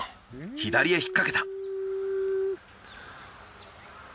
左へ引っかけた。